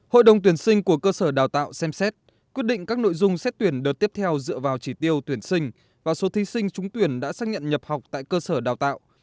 hội đồng tuyển sinh của cơ sở đào tạo xem xét quyết định các nội dung xét tuyển đợt tiếp theo dựa vào chỉ tiêu tuyển sinh và số thí sinh trúng tuyển đã xác nhận nhập học tại cơ sở đào tạo